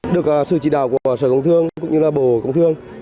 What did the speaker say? được sự chỉ đạo của sở công thương cũng như là bộ công thương